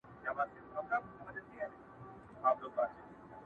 د جنت پر کوثرونو به اوبېږي!.